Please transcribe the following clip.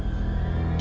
aku mau pergi